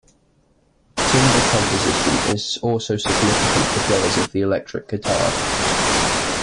Timbre composition is also significant for players of the electric guitar.